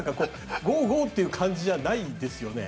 ゴーゴーっていう感じじゃないですよね。